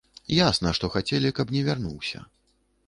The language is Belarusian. Ясна, што хацелі, каб не вярнуўся.